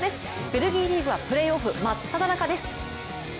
ベルギーリーグはプレーオフ真っただ中です。